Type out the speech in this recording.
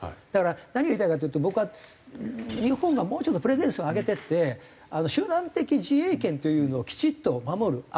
だから何が言いたいかっていうと僕は日本がもうちょっとプレゼンスを上げていって集団的自衛権というのをきちっと守る。